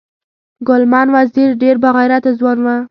ګلمن وزیر ډیر با غیرته ځوان و